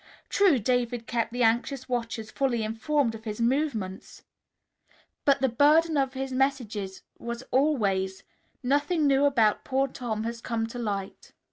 True, David kept the anxious watchers fully informed of his movements, but the burden of his messages was always, "Nothing new about poor Tom has come to light."